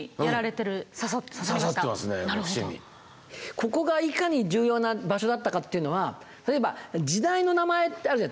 ここがいかに重要な場所だったかというのは例えば時代の名前ってあるじゃん。